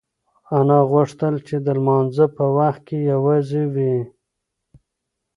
انا غوښتل چې د لمانځه په وخت کې یوازې وي.